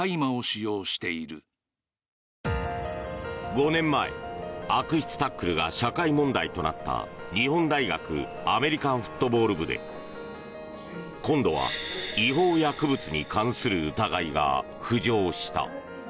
５年前、悪質タックルが社会問題となった日本大学アメリカンフットボール部で今度は違法薬物に関する疑いが浮上した。